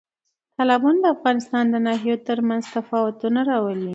تالابونه د افغانستان د ناحیو ترمنځ تفاوتونه راولي.